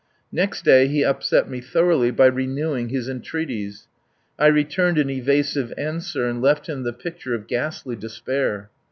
Next day he upset me thoroughly by renewing his entreaties. I returned an evasive answer, and left him the picture of ghastly despair.